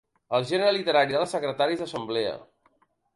El gènere literari de les secretàries d'assemblea.